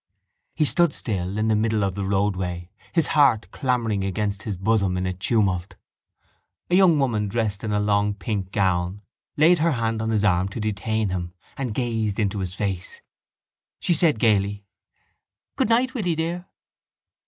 He stood still in the middle of the roadway, his heart clamouring against his bosom in a tumult. A young woman dressed in a long pink gown laid her hand on his arm to detain him and gazed into his face. She said gaily: —Good night, Willie dear!